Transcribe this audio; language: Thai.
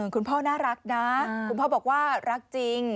คุณพ่อน่ารักนะคุณพ่อบอกว่ารักจริง